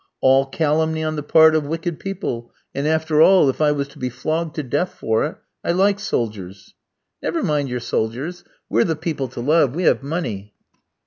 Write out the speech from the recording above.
"All calumny on the part of wicked people; and after all, if I was to be flogged to death for it, I like soldiers." "Never mind your soldiers, we're the people to love; we have money."